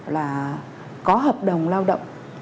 là có hợp đồng lao động